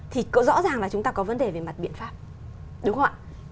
thì rõ ràng là chúng ta có vấn đề về mặt biện pháp đúng không ạ